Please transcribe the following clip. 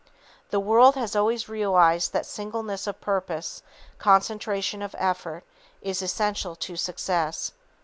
The world has always realized that singleness of purpose, concentration of effort, is essential to success.